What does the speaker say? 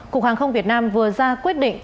cục hàng không việt nam vừa ra quyết định